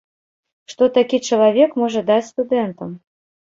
Што такі чалавек можа даць студэнтам?